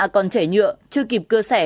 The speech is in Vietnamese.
còn chảy nhựa chưa kịp cưa xẻ